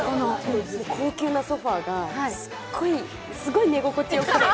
高級なソファーがすごい寝心地よくて。